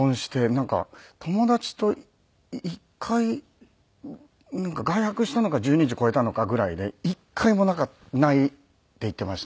なんか友達と１回外泊したのか１２時越えたのかぐらいで一回もないって言っていましたね。